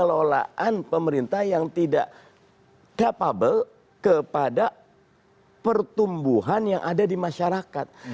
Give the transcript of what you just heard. kelolaan pemerintah yang tidak capable kepada pertumbuhan yang ada di masyarakat